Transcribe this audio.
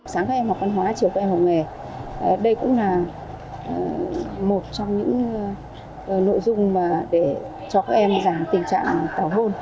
sáng các em học văn hóa chiều các em học nghề đây cũng là một trong những nội dung để cho các em giảm tình trạng tảo hôn